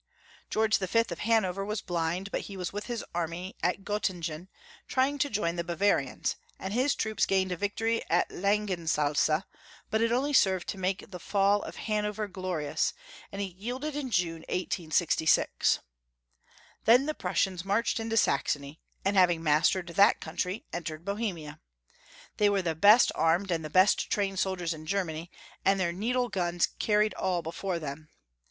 George V. of Hanover was blind, but he was "with his army at Gottmgen, trying to join the Bavarians, and his troops gamed a victory at LangensiUza, but it only served to make the fall of Hanover glorious, Interregnum, 467 and he j ielded in June, 1866. Then the Prussians marched into Saxony, and, having mastered that country, entered Bohemia. They were the best armed and best trained soldiers in Germany, and their needle guns carried all before them.